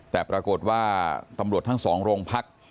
แต่ปรากฏว่าตำรวจทั้งสองโรงพัก